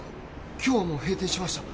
今日はもう閉店しました